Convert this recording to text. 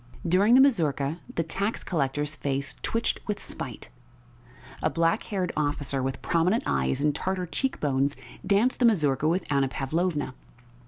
During the mazurka the tax collector's face twitched with spite. A black haired officer with prominent eyes and Tartar cheekbones danced the mazurka with Anna Pavlovna.